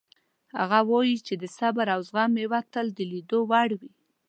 هغه وایي چې د صبر او زغم میوه تل د لیدو وړ وي